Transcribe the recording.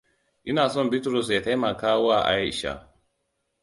Ina son Bitrus ya taimakawa Aisha.